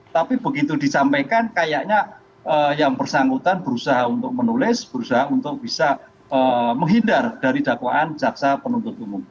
tapi begitu disampaikan kayaknya yang bersangkutan berusaha untuk menulis berusaha untuk bisa menghindar dari dakwaan jaksa penuntut umum